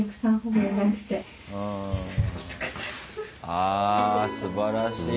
あぁすばらしい。